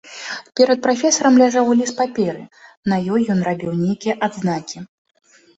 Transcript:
Перад прафесарам ляжаў ліст паперы, на ёй ён рабіў нейкія адзнакі.